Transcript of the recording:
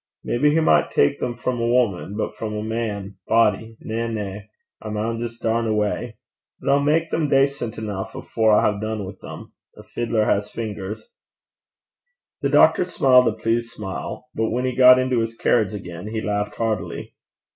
Maybe he micht tak them frae a wuman; but frae a man body! na, na; I maun jist darn awa'. But I'll mak them dacent eneuch afore I hae dune wi' them. A fiddler has fingers.' The doctor smiled a pleased smile; but when he got into his carriage, again he laughed heartily.